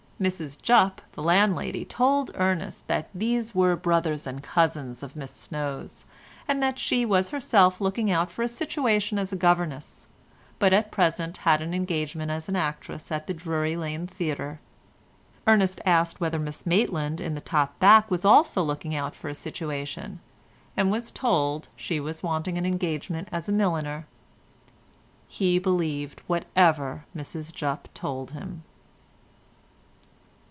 Mrs Jupp, the landlady, told Ernest that these were brothers and cousins of Miss Snow's, and that she was herself looking out for a situation as a governess, but at present had an engagement as an actress at the Drury Lane Theatre. Ernest asked whether Miss Maitland in the top back was also looking out for a situation, and was told she was wanting an engagement as a milliner. He believed whatever Mrs Jupp told him.